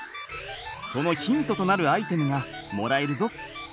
そのヒントとなるアイテムがもらえるぞ。